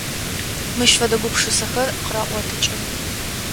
Мыщ фэдэ гупшысэхэр къыраӏотыкӏы…